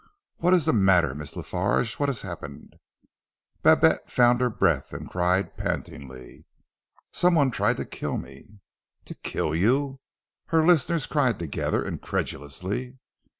"What is the matter, Miss La Farge? What has happened?" Babette found her breath and cried pantingly, "Some one tried to kill me?" "To kill you!" her listeners cried together incredulously.